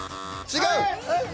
違う。